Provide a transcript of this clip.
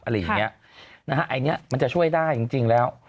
อะไรอย่างนี้มันจะช่วยได้จริงแล้ว